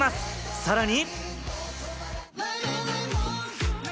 さらに。